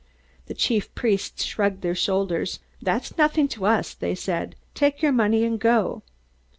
The chief priests shrugged their shoulders. "That's nothing to us," they said. "Take your money and go!"